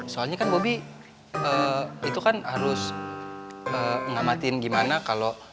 soalnya kan bobby itu kan harus mengamati gimana kalau